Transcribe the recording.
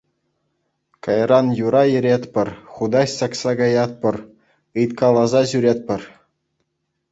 Кайран юра еретпӗр, хутаҫ ҫакса каятпӑр, ыйткаласа ҫӳретпӗр.